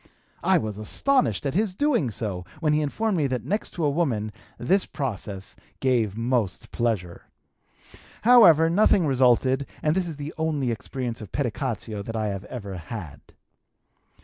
I was astonished at his doing so when he informed me that next to a woman this process gave most pleasure. However, nothing resulted and this is the only experience of pedicatio that I have ever had.